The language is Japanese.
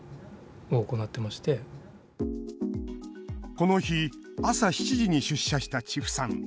この日、朝７時に出社した千布さん。